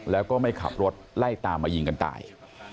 แล้วก็ไม่ขับรถไล่ตามมายิงกันตาย